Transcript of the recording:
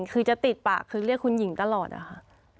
คือจะติดปากคือเรียกคุณหญิงตลอดอะค่ะ